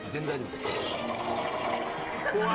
うわ。